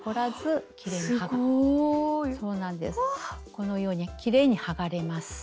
このようにきれいに剥がれます。